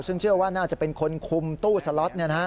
ซึ่งเชื่อว่าน่าจะเป็นคนคุมตู้สล็อต